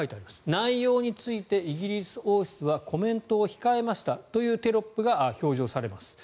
内容についてイギリス王室はコメントを控えましたというテロップが表示されます。